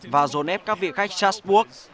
và dồn ép các vị khách charles bourque